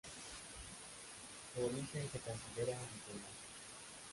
Su origen se considera musulmán.